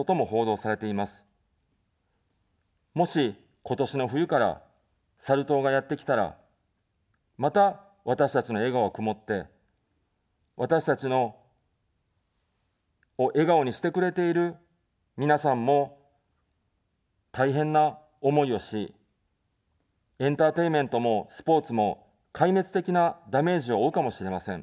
もし、今年の冬からサル痘がやってきたら、また私たちの笑顔は曇って、私たちを笑顔にしてくれている皆さんも大変な思いをし、エンターテインメントもスポーツも壊滅的なダメージを負うかもしれません。